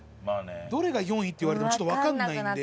どれが４位？って言われてもちょっとわからないんで。